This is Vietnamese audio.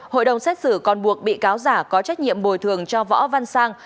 hội đồng xét xử còn buộc bị cáo giả có trách nhiệm bồi thường cho võ văn sang